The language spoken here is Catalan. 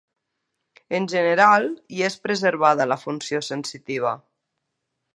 En general, hi és preservada la funció sensitiva.